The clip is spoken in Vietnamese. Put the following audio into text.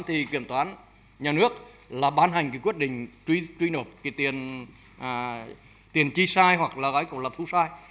thì kiểm toán nhà nước là ban hành quyết định truy nộp tiền chi sai hoặc là thu sai